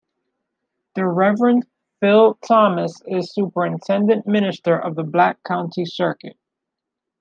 The Reverend Phil Thomas is Superintendent Minister of The Black Country Circuit.